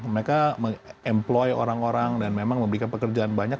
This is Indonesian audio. mereka mengemploy orang orang dan memang memberikan pekerjaan banyak